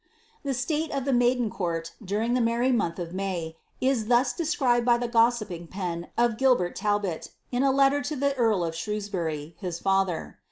The state of the maiden court, during the merry month of May, is thus described by the gossiping pen of Gilbert Talbot, in a letter to the eui of Shrewsbury, his father.